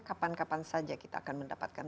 kapan kapan saja kita akan mendapatkan